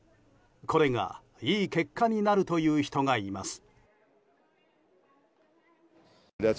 これがいい結果になるという人がいます。